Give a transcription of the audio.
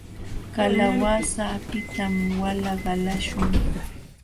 Kalawasa apitam wala qalaśhun.